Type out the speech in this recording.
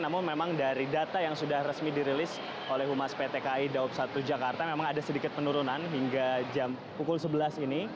namun memang dari data yang sudah resmi dirilis oleh humas pt kai daob satu jakarta memang ada sedikit penurunan hingga pukul sebelas ini